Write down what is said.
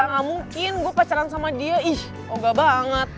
gak mungkin gua pacaran sama dia ih kogel banget